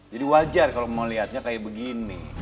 jadi wajar kalau mau lihatnya kayak begini